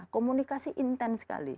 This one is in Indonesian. komunikasi intens sekali